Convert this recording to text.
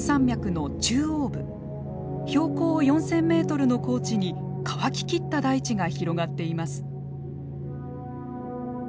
標高４，０００メートルの高地に乾ききった大地が広がっています。